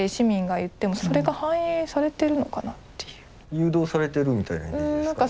誘導されてるみたいなイメージですか？